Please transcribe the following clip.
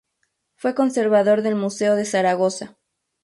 Fue conservador del Museo de Zaragoza.